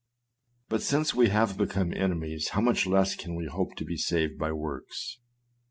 But since we have become enemies, how much less can we hope to be saved by works!